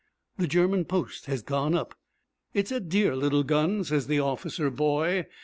The German post has gone up. 'It's a dear little gun,' says the officer boy.